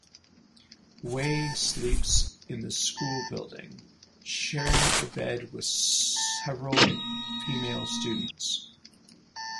Wei sleeps in the school building, sharing a bed with several female students.